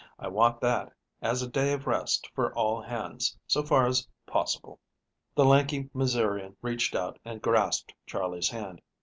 I want that as a day of rest for all hands, so far as possible." The lanky Missourian reached out and grasped Charley's hand.